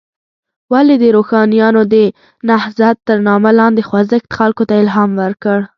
ولې د روښانیانو د نهضت تر نامه لاندې خوځښت خلکو ته الهام ورکړ.